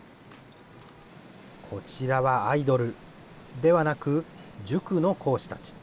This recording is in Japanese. こちらはアイドル、ではなく塾の講師たち。